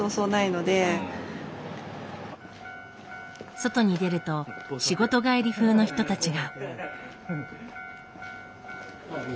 外に出ると仕事帰り風の人たちが。